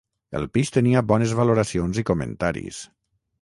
El pis tenia bones valoracions i comentaris.